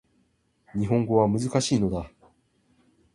日本語は難しいのだ